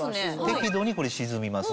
適度にこれ沈みます。